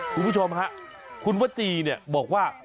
คุณผู้ชมฮะคุณวจีเนี่ยบอกว่า